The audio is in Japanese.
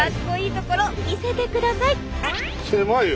狭いよ。